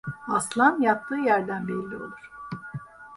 Aslan yattığı yerden belli olur.